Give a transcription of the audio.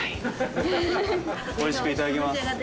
おいしくいただきます。